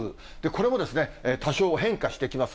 これも多少変化してきます。